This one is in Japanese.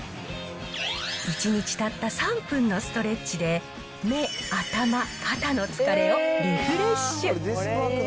１日たった３分のストレッチで、目、頭、肩の疲れをリフレッシュ。